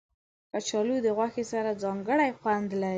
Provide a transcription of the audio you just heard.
کچالو د غوښې سره ځانګړی خوند لري